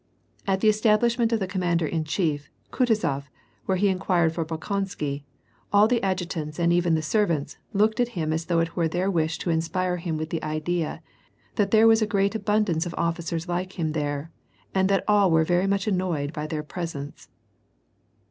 At the establishment of the commander in chief. Rata zof, where he inquired for Bolkonsky, all the adjutants, and even the servants, looked at him as though it were their wish to inspire him with the idea that there was a great abundance of officers like him there and that all were very much annoyed by their presence.